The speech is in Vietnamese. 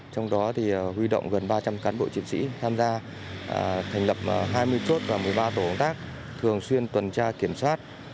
trong đó huy động gần ba trăm linh cán bộ chiến sĩ tham gia thành lập hai mươi chốt và một mươi ba tổ công tác thường xuyên tuần tra kiểm soát